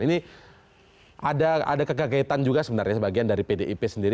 ini ada kegagetan juga sebenarnya sebagian dari pdip sendiri